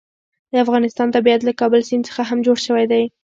د افغانستان طبیعت له کابل سیند څخه هم جوړ شوی دی.